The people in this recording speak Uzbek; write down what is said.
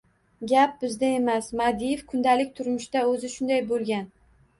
— Gap bizda emas. Madiev kundalik turmushda o‘zi shunday bo‘lgan.